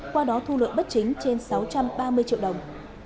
qua đó thu lợi bất chính trên sáu trăm ba mươi triệu đồng